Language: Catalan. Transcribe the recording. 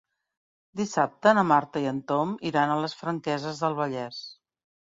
Dissabte na Marta i en Tom iran a les Franqueses del Vallès.